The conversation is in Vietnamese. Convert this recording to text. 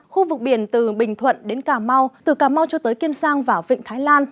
khu vực biển từ bình thuận đến cà mau từ cà mau cho tới kiêm sang và vịnh thái lan